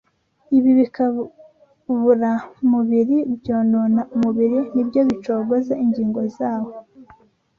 Ibi bikaburamubiri byonona umubiri ni byo bicogoza ingingo zawo